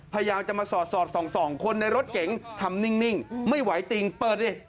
พยายามจะมาสอดส่องคนในรถเก๋งทำนิ่งไม่ไหวติงเปิดดิ